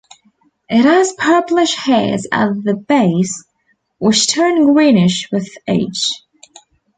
It has purplish hairs at the base which turn greenish with age.